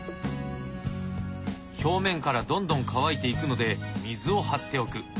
表面からどんどん乾いていくので水を張っておく。